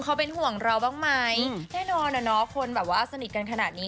เขาเป็นห่วงเราบ้างไหมแน่นอนอ่ะเนาะคนแบบว่าสนิทกันขนาดนี้